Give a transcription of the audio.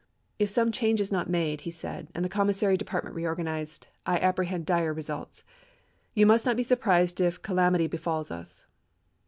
" If some change is not made," he said, " and the commissary depart ment reorganized, I apprehend dire results ;... you must not be surprised if calamity befalls us."